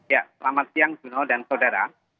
ya selamat siang jurno dan saudara